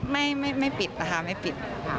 ไม่ปิดนะคะไม่ปิด